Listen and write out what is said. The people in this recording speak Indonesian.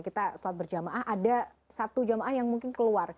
kita sholat berjamaah ada satu jamaah yang mungkin keluar